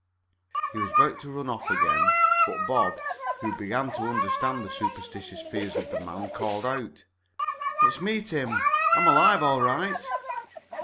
He was about to run off again, but Bob, who began to understand the superstitious rears of the man, called out: "It's me, Tim! I'm alive, all right!"